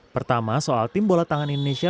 pertama soal tim bola tangan indonesia